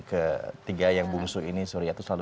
ketiga yang bungsu ini surya itu selalu